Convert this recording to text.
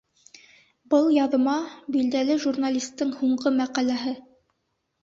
Был яҙма — билдәле журналистың һуңғы мәҡәләһе.